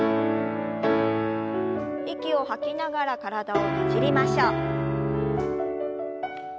息を吐きながら体をねじりましょう。